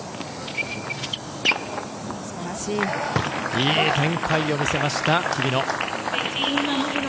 いい展開を見せました日比野。